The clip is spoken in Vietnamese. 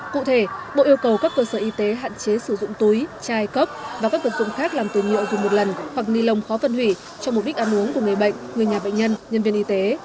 cụ thể bộ yêu cầu các cơ sở y tế hạn chế sử dụng túi chai cốc và các vật dụng khác làm từ nhựa dùng một lần hoặc ni lồng khó phân hủy cho mục đích ăn uống của người bệnh người nhà bệnh nhân nhân viên y tế